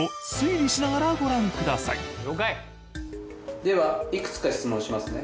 皆さんもではいくつか質問しますね。